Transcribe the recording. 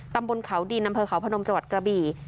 ตำบลเขาดินอำเภอเขาพนมจังหวัดกระบี่